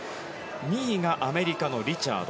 ２位がアメリカのリチャード。